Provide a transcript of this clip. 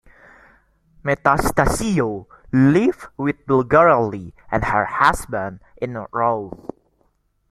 Metastasio lived with Bulgarelli and her husband in Rome.